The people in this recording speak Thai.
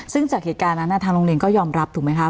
ซึ่งจากเหตุการณ์นั้นทางโรงเรียนก็ยอมรับถูกไหมคะ